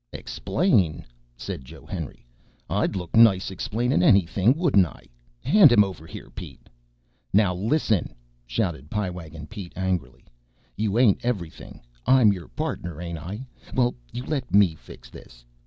"Explain?" said Joe Henry. "I'd look nice explainin' anything, wouldn't I? Hand him over here, Pete." "Now, listen," shouted Pie Wagon Pete angrily. "You ain't everything. I'm your pardner, ain't I? Well, you let me fix this."